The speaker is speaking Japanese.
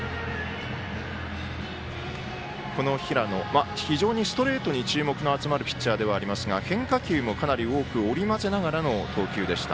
この平野、非常にストレートに注目が集まるピッチャーではありますが変化球もかなり多く織り交ぜながらの投球でした。